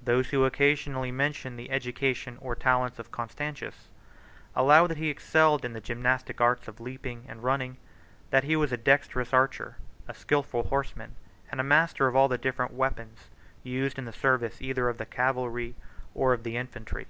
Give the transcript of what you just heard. Those who occasionally mention the education or talents of Constantius, allow that he excelled in the gymnastic arts of leaping and running that he was a dexterous archer, a skilful horseman, and a master of all the different weapons used in the service either of the cavalry or of the infantry.